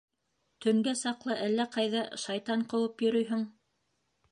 Төнгә саҡлы әллә ҡайҙа шайтан ҡыуып йөрөйһөң.